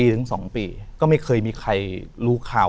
ชื่อเตอร์